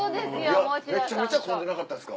めちゃめちゃ混んでなかったですか？